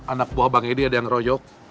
anak buah bang edi ada yang royok